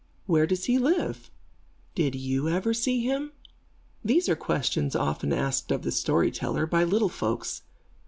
Where does he live? Did you ever see him? These are questions, often asked of the storyteller, by little folks.